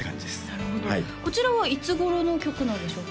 なるほどこちらはいつ頃の曲なんでしょうか？